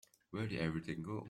Where did everything go?